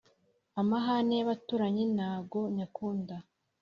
Amahane y'abaturanyi nago nyakunda